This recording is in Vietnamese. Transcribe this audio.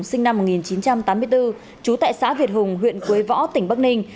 sinh năm một nghìn chín trăm tám mươi bốn trú tại xã việt hùng huyện quế võ tỉnh bắc ninh